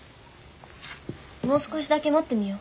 もう少しだけ待ってみよ。